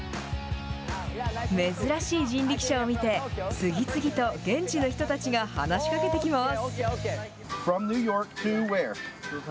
珍しい人力車を見て、次々と現地の人たちが話しかけてきます。